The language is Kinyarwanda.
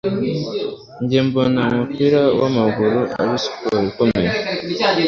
Njye mbona, umupira wamaguru ari siporo ikomeye.